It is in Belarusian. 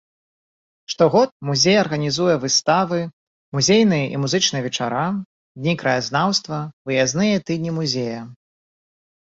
Штогод музей арганізуе выставы, музейныя і музычныя вечара, дні краязнаўства, выязныя тыдня музея.